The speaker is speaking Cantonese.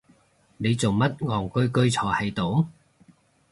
你做乜戇居居坐係度？